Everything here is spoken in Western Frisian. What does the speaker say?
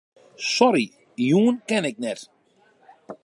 Sorry, jûn kin ik net.